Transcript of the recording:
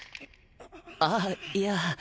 あっいや。